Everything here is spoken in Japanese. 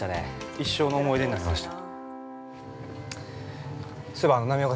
一生の思い出になりました。